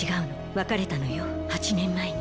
別れたのよ８年前に。